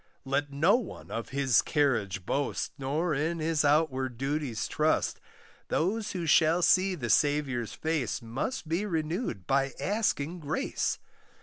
Let no one of his carriage boast Nor in his outward duties trust; Those who shall see the Saviour's face, Must be renewed by asking grace.